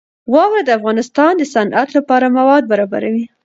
واوره د افغانستان د صنعت لپاره مواد برابروي.